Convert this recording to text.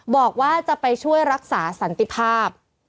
บอกว่าจะไปช่วยรักษาสันติภาพ